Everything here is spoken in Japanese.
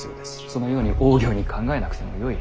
そのようにおおぎょうに考えなくてもよい。